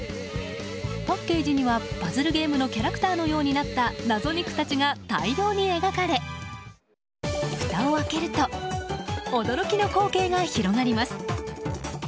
パッケージにはパズルゲームのキャラクターのようになった謎肉たちが大量に描かれふたを開けると驚きの光景が広がります。